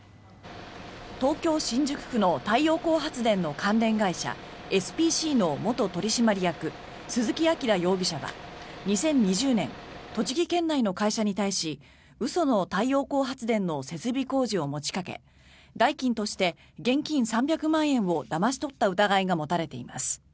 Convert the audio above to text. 東京・新宿区の太陽光発電の関連会社エスピーシーの元取締役鈴木晃容疑者は２０２０年栃木県内の会社に対し嘘の太陽光発電の設備工事を持ちかけ代金として現金３００万円をだまし取った疑いが持たれています。